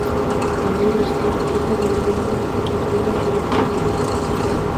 Anai gaztea Kepa del Olmo futbolaria da ere.